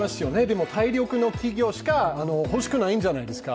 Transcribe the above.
でも、体力のある企業しか欲しくないんじゃないですか。